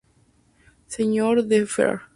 Sr. D. Fr.